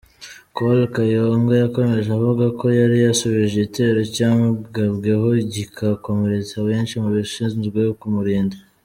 Col Kayonga yakomeje avuga ko yari yasubije igitero cyamugabweho kigakomeretsa benshi mu bashinzwe kumurinda.